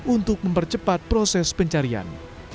untuk mempercepat proses pencarian